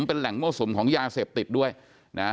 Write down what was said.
เป็นแหล่งมั่วสุมของยาเสพติดด้วยนะ